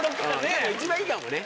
でも一番いいかもね。